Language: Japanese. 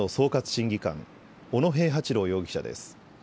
審議官、小野平八郎容疑者です。